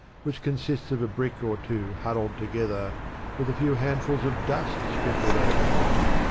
which con sists of a brick or two huddled together, with a few handfuls of dust sprinkled over it."